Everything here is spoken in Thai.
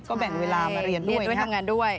ก็แบ่งเวลามาเรียนด้วย